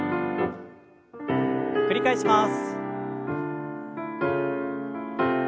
繰り返します。